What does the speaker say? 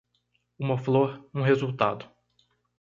Uma flor, um resultado